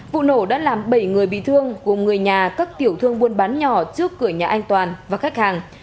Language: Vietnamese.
vụ nổ đã làm bảy người bị thương gồm người nhà các tiểu thương buôn bán nhỏ trước cửa nhà anh toàn và khách hàng